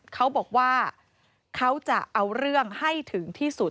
เขาบอกว่าเขาจะเอาเรื่องให้ถึงที่สุด